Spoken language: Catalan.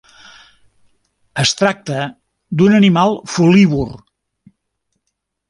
Es tracta d'un animal folívor.